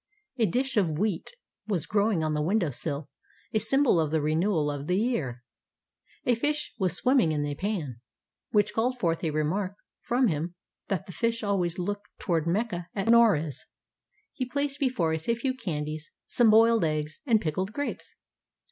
A dish of wheat was growing on the window sill, a sym bol of the renewal of the year. A fish was swimming in a pan, which called forth a remark from him that fish always look toward Mecca at Noruz. He placed before us a few candies, some boiled eggs, and pickled grapes.